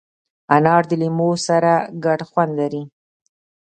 انار د لیمو سره ګډ خوند لري.